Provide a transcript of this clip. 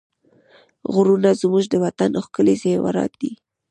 غرونه زموږ د وطن ښکلي زېورات دي.